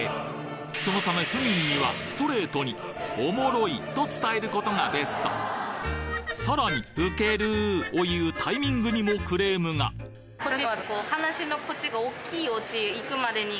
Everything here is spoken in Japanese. そのため府民にはストレートにオモロいと伝える事がベストさらに「ウケる」を言うタイミングにもクレームがが鉄則だった！